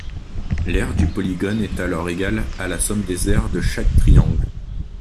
L'aire du polygone est alors égale à la somme des aires de chaque triangle.